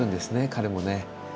彼もね。